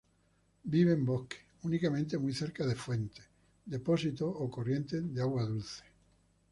Vive en bosques, únicamente muy cerca de fuentes, depósitos o corrientes de agua dulce.